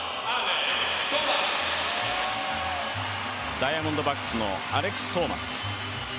ダイヤモンドバックスのアレックス・トーマス。